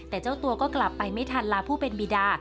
แต่เจ้าตัวก็กลับไปไม่ทันลาผู้เป็นบีดา